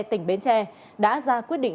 tỉnh bến tre đã ra quyết định